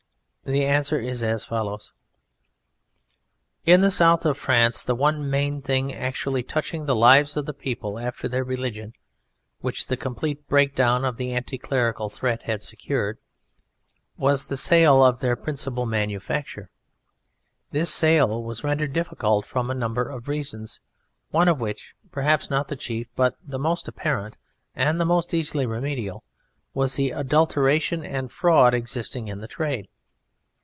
The answer is as follows: In the south of France the one main thing actually touching the lives of the people, after their religion (which the complete breakdown of the anti clerical threat had secured), was the sale of their principal manufacture. This sale was rendered difficult from a number of reasons, one of which, perhaps not the chief, but the most apparent and the most easily remediable, was the adulteration and fraud existing in the trade.